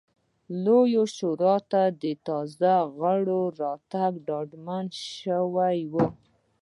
لویې شورا ته د تازه غړو راتګ ډاډمن شوی و